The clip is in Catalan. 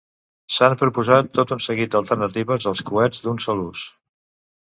S'han proposat tot un seguit d'alternatives als coets d'un sol ús.